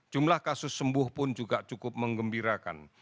jumlah kasus sembuh pun juga cukup mengembirakan